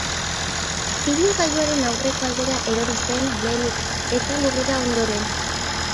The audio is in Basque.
Ibilgailuaren aurreko aldera erori zen lehenik eta lurrera ondoren.